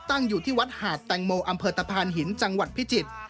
อยู่ที่วัดหาดแตงโมอำเภอตะพานหินจังหวัดพิจิตร